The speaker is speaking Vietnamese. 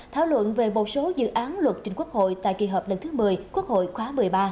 thảo luận về một số dự án luật trình quốc hội tại kỳ họp lần thứ một mươi quốc hội khóa một mươi ba